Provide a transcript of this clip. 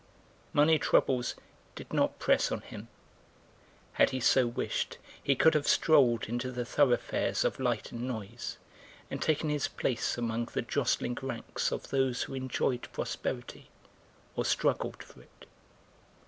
Money troubles did not press on him; had he so wished he could have strolled into the thoroughfares of light and noise, and taken his place among the jostling ranks of those who enjoyed prosperity or struggled for it.